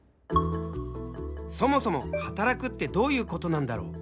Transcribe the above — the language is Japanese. そもそも働くってどういうことなんだろう？